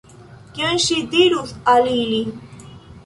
Kion ŝi dirus al ili?